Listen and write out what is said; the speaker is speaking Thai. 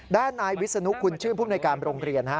ด้านนายวิศนุคุณชื่นภูมิในการโรงเรียน